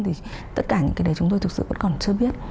thì tất cả những cái đấy chúng tôi thực sự vẫn còn chưa biết